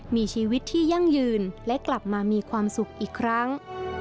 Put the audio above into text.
มีชีวิตที่ยั่งยืนและกลับมามีความสุขอีกครั้ง